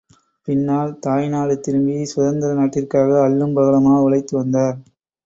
பின்னால், தாய்நாடு திரும்பி, சுதந்திர நாட்டிற்காக அல்லும் பகலுமாக உழைத்து வந்தார்.